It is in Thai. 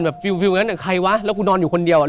แบบฟิวฟิวฟิวใครวะแล้วกูนอนอยู่คนเดียวอ่ะ